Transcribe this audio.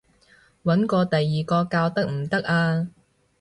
搵過第二個教得唔得啊？